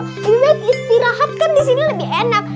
lebih baik istirahat kan disini lebih enak